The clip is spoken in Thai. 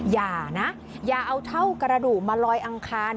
อย่านะอย่าเอาเท่ากระดูกมาลอยอังคาร